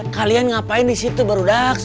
kalian ngapain disitu baru dax